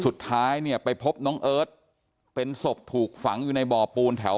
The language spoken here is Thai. สุดท้ายเนี่ยไปพบน้องเอิร์ทเป็นศพถูกฝังอยู่ในบ่อปูนแถว